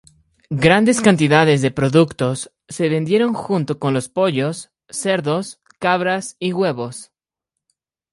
Grandes cantidades de productos se vendieron junto con los pollos, cerdos, cabras y huevos.